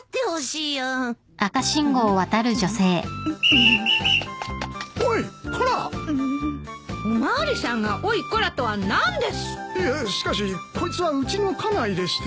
いやしかしこいつはうちの家内でして。